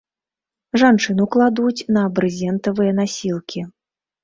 Жанчыну кладуць на брызентавыя насілкі.